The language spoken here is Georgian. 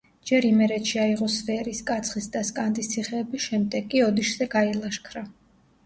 ჯერ იმერეთში აიღო სვერის, კაცხის და სკანდის ციხეები, შემდეგ კი ოდიშზე გაილაშქრა.